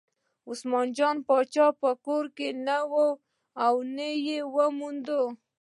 عثمان جان پاچا په کور کې نه و نه یې وموند.